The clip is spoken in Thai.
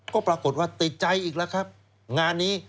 ก็ปรากฏว่าติดใจอีกแล้วครับงานนี้